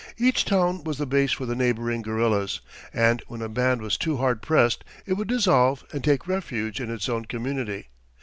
Each town was the base for the neighbouring guerillas, and when a band was too hard pressed it would dissolve and take refuge in its own community.